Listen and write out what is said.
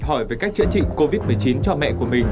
hỏi về cách chữa trị covid một mươi chín cho mẹ của mình